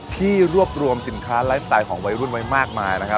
ที่รวบรวมสินค้าไลฟ์สไตล์ของวัยรุ่นไว้มากมายนะครับ